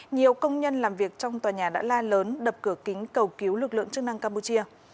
nhiều công nhân làm việc trong tòa nhà đã la lớn đập cửa kính cầu cứu lực lượng chức năng campuchia